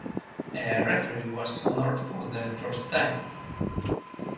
A referee was honored for the first time.